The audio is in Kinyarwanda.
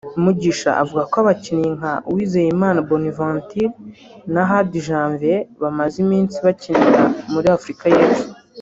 Mugisha avuga ko abakinnyi nka Uwizeyimana Bonaventure na Hadi Janvier bamaze iminsi bakinira muri Afurika y’Epfo